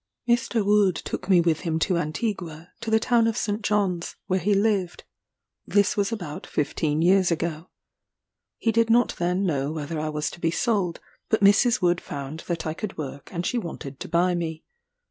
Mr. Wood took me with him to Antigua, to the town of St. John's, where he lived. This was about fifteen years ago. He did not then know whether I was to be sold; but Mrs. Wood found that I could work, and she wanted to buy me.